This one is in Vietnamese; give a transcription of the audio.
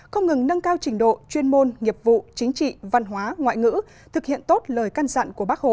không ngừng nâng cao trình độ chuyên môn nghiệp vụ chính trị văn hóa ngoại ngữ thực hiện tốt lời can dặn của bác hồ